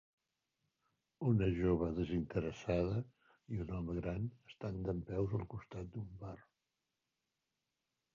Una jove desinteressada i un home gran estan dempeus al costat d'un bar.